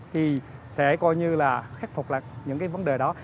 thì sẽ coi như là khắc phục lại những cái vấn đề đó